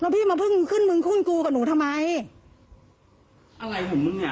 พี่มาเพิ่งขึ้นมึงขึ้นกูกับหนูทำไมอะไรของมึงเนี่ย